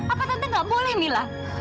apa tante gak boleh mila